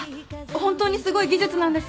本当にすごい技術なんです。